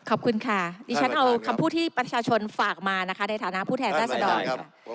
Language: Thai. ขอบคุณค่ะดิฉันเอาคำพูดที่ประชาชนฝากมานะคะในฐานะผู้แทนราษดรค่ะ